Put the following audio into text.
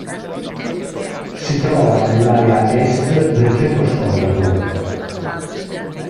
Si trova nell'area est del centro storico.